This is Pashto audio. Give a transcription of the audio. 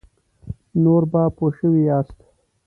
نور به پوه شوي یاست.